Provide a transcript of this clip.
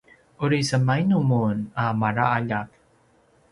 uri semainu mun a maraljak?